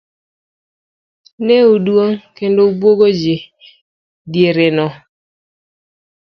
Ne oduong' kendo obuogo ji diereno.